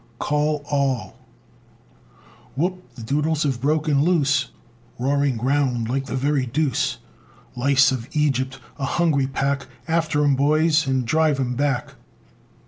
"CALL ALL" Whoop! the Doodles have broken loose, Roaring round like the very deuce! Lice of Egypt, a hungry pack, After 'em, boys, and drive 'em back.